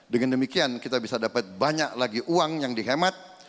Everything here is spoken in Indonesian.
dengan demikian kita bisa dapat banyak lagi uang yang dihemat